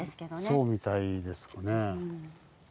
そうみたいですかね。